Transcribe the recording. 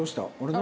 何？